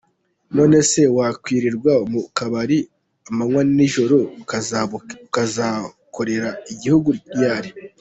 None se wakwirirwa mu kabari amanywa n’ijoro ukazakorera igihugu ryari?”.